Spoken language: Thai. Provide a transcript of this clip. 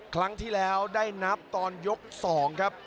ครั้งที่แล้วได้นับตอนยก๒ครับ